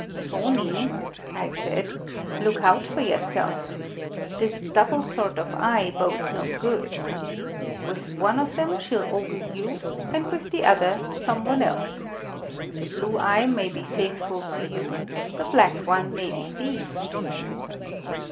"Toni," I said, "look out for yourself! This double sort of eye bodes no good. With one of them she'll ogle you, and with the other some one else. The blue eye may be faithful to you, the black one may deceive."